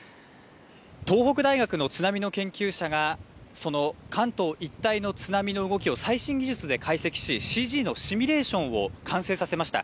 東北大学の津波の研究者がその関東一帯の津波の動きをＣＧのシミュレーションを完成させました。